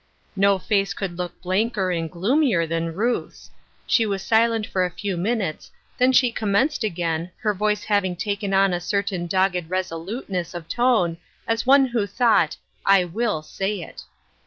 No facB could look blanker and gloomier than 204 Ruth Ershine's Crosses, Ruth's. She was silent for a few minutes, then she commenced again, her voice having taken on a certain dogged resoluteness of tone as one who thought, " I will say it."